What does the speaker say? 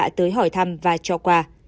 đã tới hỏi thăm và cho quà